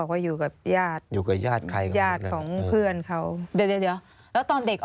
ว่าอยู่บนอย่างของ